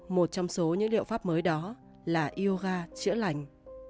một trong số những liệu pháp mới đó là yoga chữa lành